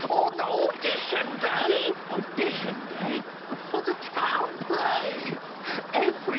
オーディションのひ？